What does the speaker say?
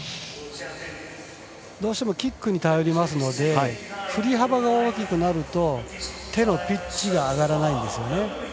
どうしてもキックに頼りますのでふり幅が大きくなると手のピッチが上がらないんです。